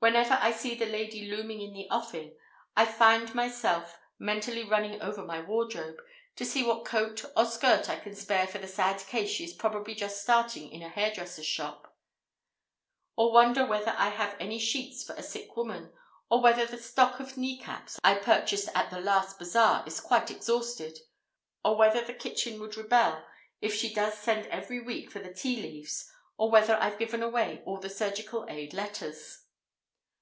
Whenever I see the lady looming in the offing, I find myself mentally running over my wardrobe, to see what coat or skirt I can spare for the sad case she is probably just starting in a hairdresser's shop; or wondering whether I have any sheets for a sick woman; or whether the stock of knee caps I purchased at the last Bazaar is quite exhausted; or whether the kitchen would rebel if she does send every week for the tea leaves; or whether I've given away all the Surgical Aid letters.